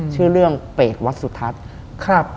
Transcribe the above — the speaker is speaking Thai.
ชื่อเรื่องเปรตวัดสุทัศน์